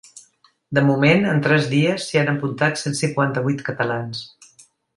De moment, en tres dies s’hi han apuntat cent cinquanta-vuit catalans.